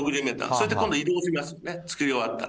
それで今度移動しますよね、作り終わったら。